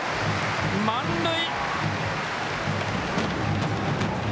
満塁。